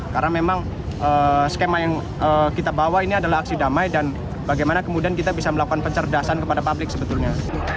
karena memang skema yang kita bawa ini adalah aksi damai dan bagaimana kemudian kita bisa melakukan pencerdasan kepada publik sebetulnya